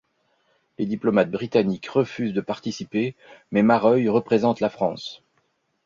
Les diplomates britanniques refusent de participer, mais Mareuil représente la France.